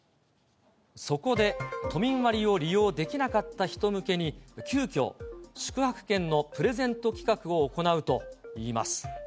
そこで、都民割を利用できなかった人向けに、急きょ、宿泊券のプレゼント企画を行うといいます。